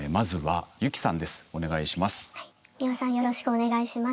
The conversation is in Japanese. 美輪さんよろしくお願いします。